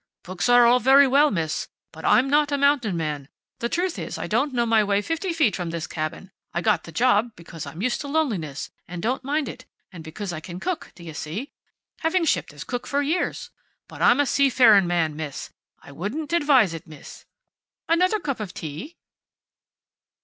"Books are all very well, Miss. But I'm not a mountain man. The truth is I don't know my way fifty feet from this cabin. I got the job because I'm used to loneliness, and don't mind it, and because I can cook, d'you see, having shipped as cook for years. But I'm a seafaring man, Miss. I wouldn't advise it, Miss. Another cup of tea?"